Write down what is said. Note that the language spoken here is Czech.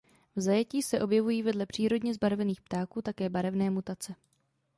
V zajetí se objevují vedle přírodně zbarvených ptáků také barevné mutace.